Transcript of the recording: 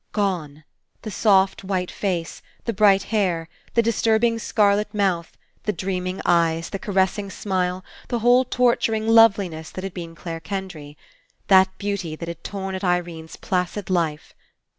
Gone ! The soft white face, the bright hair, the disturbing scarlet mouth, the dream ing eyes, the caressing smile, the whole tortur ing loveliness that had been Clare Kendry. That beauty that had torn at Irene's placid Hfe.